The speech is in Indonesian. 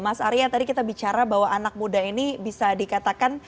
mas arya tadi kita bicara bahwa anak muda ini bisa dikatakan